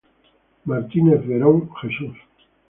Martínez Verón, Jesús.